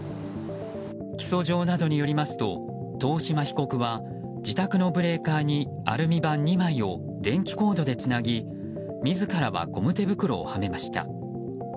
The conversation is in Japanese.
起訴状などによりますと遠嶋被告は自宅のブレーカーにアルミ板２枚を電気コードでつなぎ自らはゴム手袋をはめました。